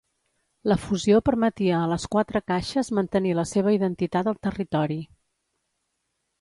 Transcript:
La fusió permetia a les quatre caixes mantenir la seva identitat al territori.